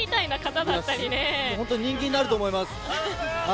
本当に人気になると思います。